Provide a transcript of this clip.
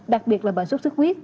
đặc biệt là bệnh sốt sức huyết